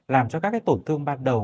làm cho các cái tổn thương ban đầu